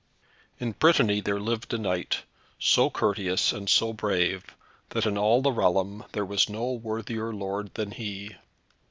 In Brittany there lived a knight, so courteous and so brave, that in all the realm there was no worthier lord than he.